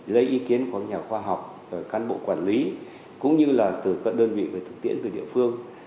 lấy ý kiến của nhà khoa học cán bộ quản lý cũng như là từ các đơn vị về thực tiễn về địa phương